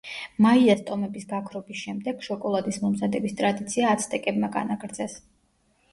მაიას ტომების გაქრობის შემდეგ შოკოლადის მომზადების ტრადიცია აცტეკებმა განაგრძეს.